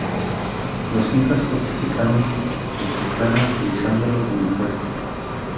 Los incas fortificaron el pucará utilizándolo como fuerte.